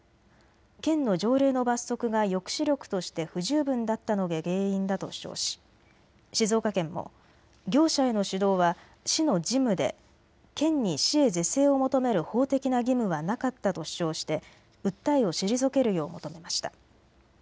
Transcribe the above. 県の条例の罰則が抑止力として不十分だったのが原因だと主張し静岡県も業者への指導は市の事務で県に市へ是正を求める法的な義務はなかったと主張して訴えを退けるよう求めました。